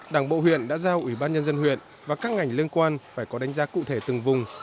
đảng bộ huyện đã giao ủy ban nhân dân huyện và các ngành liên quan phải có đánh giá cụ thể từng vùng